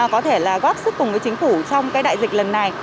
có thể là góp sức cùng với chính phủ trong cái đại dịch lần này